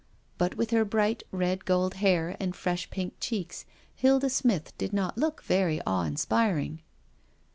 *' But with her bright red gold hair and fresh jpink cheeks Hilda Smith did not look very awe inspiring.